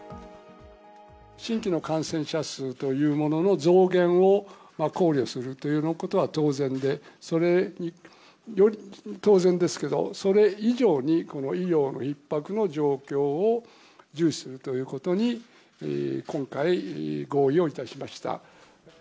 新規の感染者数というものの増減を考慮するということは当然ですけど、それ以上に、この医療のひっ迫の状況を重視するということに、今回、合意をいたしました。